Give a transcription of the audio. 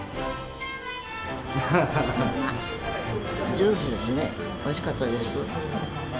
ジュースですね、おいしかったです。